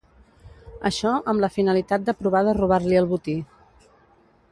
Això amb la finalitat de provar de robar-li el botí.